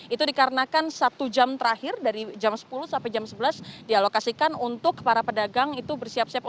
itu dikarenakan satu jam terakhir dari jam sepuluh sampai jam sebelas dialokasikan untuk para pedagang itu bersiap siap untuk